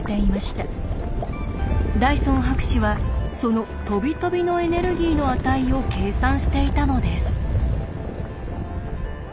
ダイソン博士はそのとびとびのエネルギーの値を計算していたのです。